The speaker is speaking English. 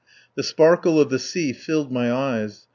The sparkle of the sea filled my eyes.